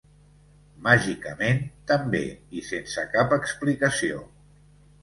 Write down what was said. Màgicament, també, i sense cap explicació.